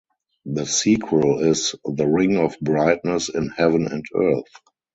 The sequel is "The Ring of Brightness in Heaven and Earth".